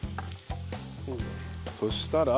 そしたら。